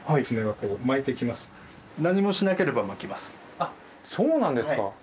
あっそうなんですか。